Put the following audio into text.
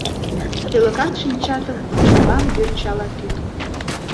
Шӱлыкан шинчатым Ончалам йочала тӱткын.